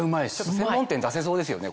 専門店出せそうですよね？